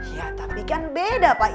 ya tapi kan beda pak